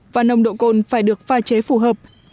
và nồng độ cồn phải được pha chế phù hợp